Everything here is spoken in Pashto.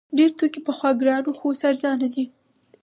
ډیر توکي پخوا ګران وو خو اوس ارزانه دي.